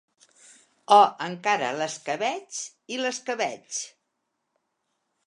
O encara «l'escabetx» i «les que veig».